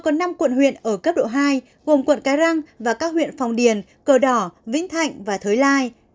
cần thơ có năm quận huyện ở cấp độ hai gồm quận cá răng và các huyện phòng điền cờ đỏ vĩnh thạnh và thới lai